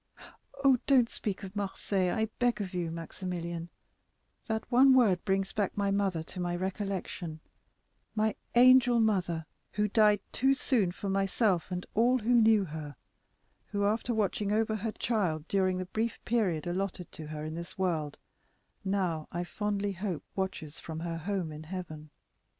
"Don't speak of Marseilles, I beg of you, Maximilian; that one word brings back my mother to my recollection—my angel mother, who died too soon for myself and all who knew her; but who, after watching over her child during the brief period allotted to her in this world, now, I fondly hope, watches from her home in heaven.